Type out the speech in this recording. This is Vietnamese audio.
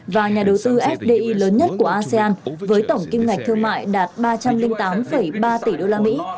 và nhà đầu tư fdi lớn nhất của asean với tổng kim ngạch thương mại đạt ba trăm linh tám ba tỷ đô la mỹ